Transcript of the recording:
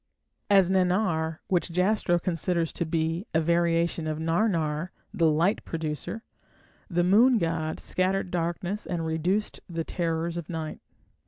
As Nannar, which Jastrow considers to be a variation of "Narnar", the "light producer", the moon god scattered darkness and reduced the terrors of night.